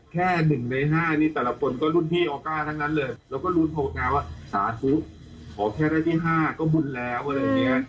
แล้วก็สาธุขอแค่ได้ที่๕ก็บุญแล้วอะไรอย่างเงี้ย